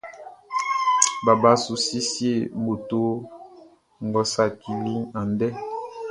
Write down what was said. Baba su siesie moto ngʼɔ saciliʼn andɛ.